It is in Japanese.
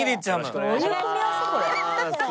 お願いしまーす。